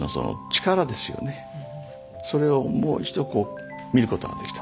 それをもう一度見ることができた。